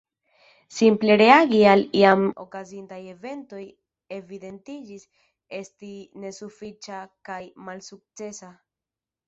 Simple reagi al jam okazintaj eventoj evidentiĝis esti nesufiĉa kaj malsukcesa.